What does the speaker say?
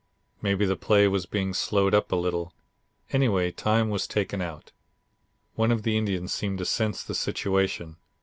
Maybe the play was being slowed up a little. Anyway, time was taken out. One of the Indians seemed to sense the situation.